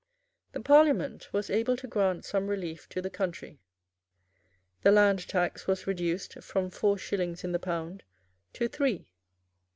The Parliament was able to grant some relief to the country. The land tax was reduced from four shillings in the pound to three.